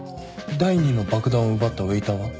第２の爆弾を奪ったウエーターは？